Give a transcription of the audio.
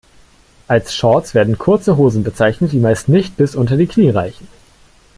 Als Shorts werden kurze Hosen bezeichnet, die meist nicht bis unter die Knie reichen.